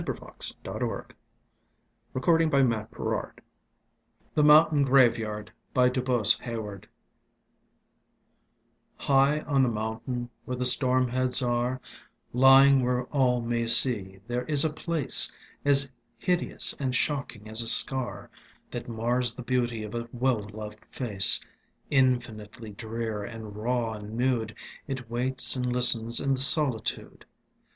Grace Hodsdon Boutelle I POETRY: A Magazine of Verse THE MOUNTAIN GRAVEYARD High on the mountain where the storm heads are, Lying where all may see, there is a place As hideous and shocking as a scar That mars the beauty of a well loved face* Infinitely drear, and raw, and nude. It waits and listens in the solitude.